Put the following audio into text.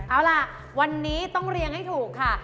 เอาล่ะวันนี้ต้องเรียงให้ถูกค่ะ